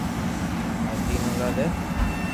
ماري تين اولاد ھي